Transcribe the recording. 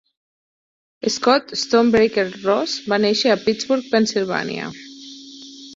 Scott Stonebreaker Ross va néixer a Pittsburgh, Pennsilvània.